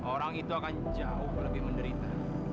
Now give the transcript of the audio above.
orang itu akan jauh lebih menderita